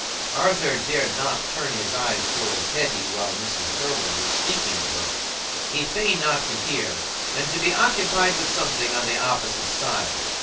Arthur dared not turn his eyes towards Hetty while Mrs. Irwine was speaking of her. He feigned not to hear, and to be occupied with something on the opposite side.